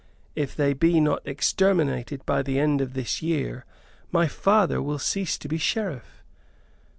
If they be not exterminated by the end of this year my father will cease to be Sheriff."